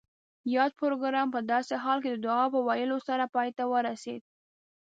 یاد پروګرام پۀ داسې حال کې د دعا پۀ ویلو سره پای ته ورسید